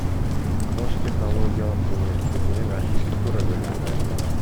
Ош технологиялык университетинин архитектура бөлүмүн аяктагам.